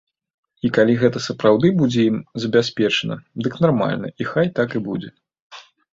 І калі гэта сапраўды будзе ім забяспечана, дык нармальна, і хай так і будзе.